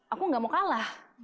aku nggak mau kalah